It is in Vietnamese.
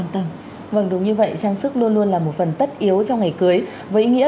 trang sức luôn luôn là một phần tất yếu cho ngày cưới với ý nghĩa